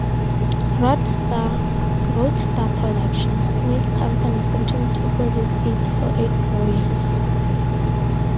Roadstar Productions, Smith's company, continued to produce it for eight more years.